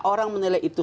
orang menilai itu